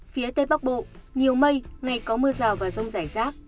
phía tây bắc bộ nhiều mây ngày có mưa rào và rông rải rác